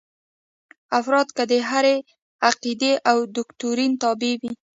افراد که د هرې عقیدې او دوکتورین تابع وي.